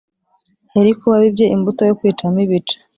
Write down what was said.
yari kuba abibye imbuto yo kwicamo ibice